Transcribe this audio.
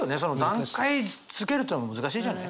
段階づけるというのも難しいじゃない？